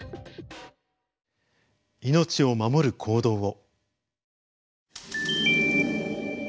命を守る行動を。